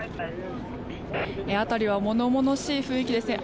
辺りは物々しい雰囲気ですね。